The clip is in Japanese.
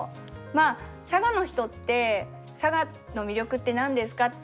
まあ佐賀の人って「佐賀の魅力って何ですか？」